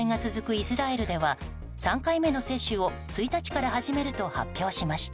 イスラエルでは３回目の接種を１日から始めると発表しました。